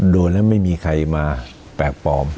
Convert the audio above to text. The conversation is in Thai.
โดนแล้วไม่มีใครมาแปลกปลอม